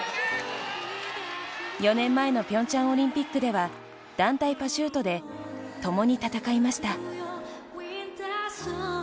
４年前の平昌オリンピックでは団体パシュートで共に戦いました。